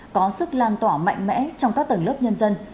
có sức lan tỏa mạnh mẽ trong các tầng lớp nhân dân